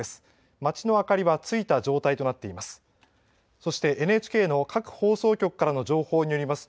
町の明かりはついた状態となっています。